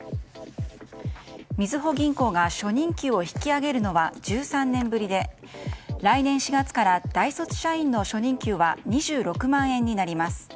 みずほ銀行が初任給を引き上げるのは１３年ぶりで来年４月から大卒社員の初任給は２６万円になります。